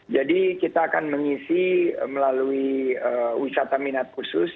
jadi kita akan mengisi melalui wisata minat khusus